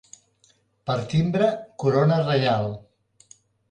Per timbre, corona reial.